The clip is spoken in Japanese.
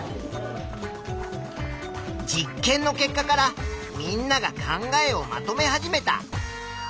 実験の結果からみんなが考えをまとめ始めた。